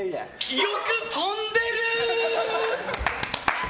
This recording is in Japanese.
記憶飛んでるー！